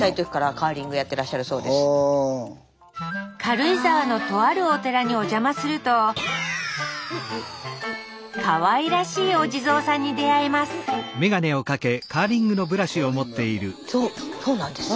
軽井沢のとあるお寺にお邪魔するとかわいらしいお地蔵さんに出会いますそうそうなんです。